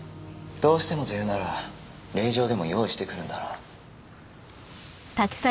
どうしてもと言うなら令状でも用意してくるんだな。